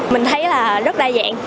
mình thấy là rất đa dạng